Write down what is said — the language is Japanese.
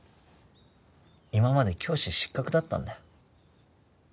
今まで教師失格だったんだよ